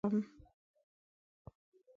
د ژوند لاسونو نه جلانه لکه کب خطا شم